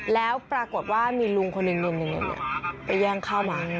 แล้วปรากฏว่ามีลุงคนหนึ่งไปแย่งเข้ามา